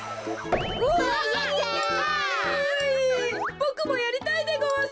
ボクもやりたいでごわす。